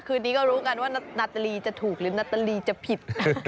คืนนี้ก็รู้กันว่านาตรีจะถูกหรือนาตรีจะผิด